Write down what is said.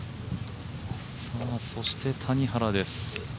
そして谷原です。